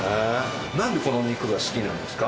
なんでこのお肉が好きなんですか？